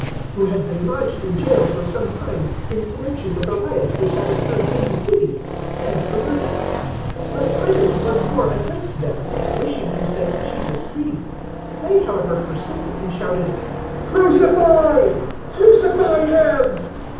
who had been lodged in jail for some time in connexion with a riot which had occurred in the city, and for murder. 023:020 But Pilate once more addressed them, wishing to set Jesus free. 023:021 They, however, persistently shouted, "Crucify, crucify him!"